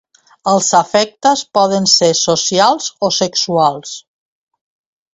Els afectes poden ser socials o sexuals.